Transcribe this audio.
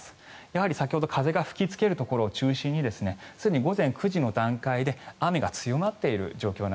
やはり先ほど風が吹きつけるところを中心にすでに午前９時の段階で雨が強まっている状況。